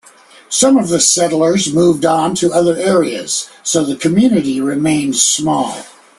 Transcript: Some of the settlers moved on to other areas so the community remained small.